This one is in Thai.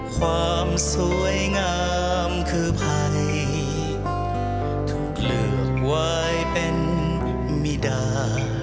ความสวยงามคือภัยถูกเลือกไว้เป็นมิดา